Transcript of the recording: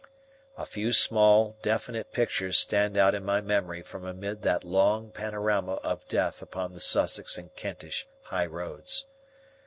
A few small, definite pictures stand out in my memory from amid that long panorama of death upon the Sussex and Kentish high roads.